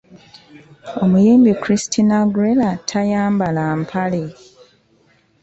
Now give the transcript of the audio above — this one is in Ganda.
Omuyimbi Christina Aguilera tayambala mpale!